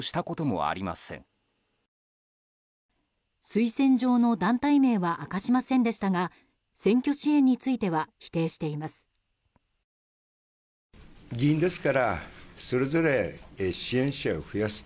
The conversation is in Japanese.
推薦状の団体名は明かしませんでしたが選挙支援については否定しています。